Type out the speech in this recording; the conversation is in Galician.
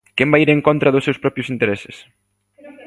¿Quen vai ir en contra dos seus propios intereses?